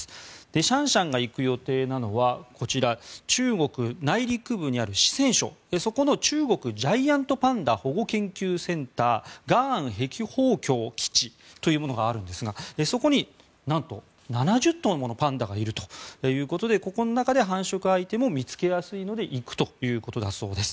シャンシャンが行く予定なのはこちら、中国内陸部にある四川省そこの中国ジャイアントパンダ保護研究センター雅安碧峰峡基地というものがあるんですがそこになんと７０頭ものパンダがいるということでここの中で繁殖相手も見つけやすいので行くということだそうです。